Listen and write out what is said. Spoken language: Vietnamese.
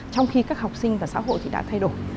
trong khi các học sinh và xã hội thì đã thay đổi